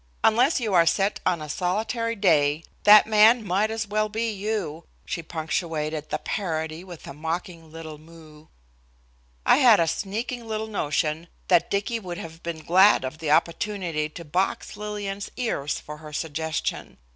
Unless you are set on a solitary day that man 'might as well be you'" she punctuated the parody with a mocking little moue. I had a sneaking little notion that Dicky would have been glad of the opportunity to box Lillian's ears for her suggestion.